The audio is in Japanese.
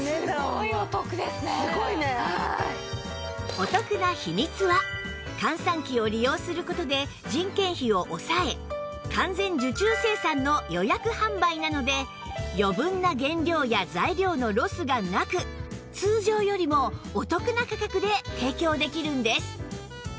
お得な秘密は閑散期を利用する事で人件費を抑え完全受注生産の予約販売なので余分な原料や材料のロスがなく通常よりもお得な価格で提供できるんです